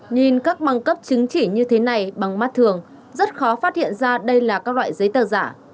nhìn các băng cấp chứng chỉ như thế này bằng mắt thường rất khó phát hiện ra đây là các loại giấy tờ giả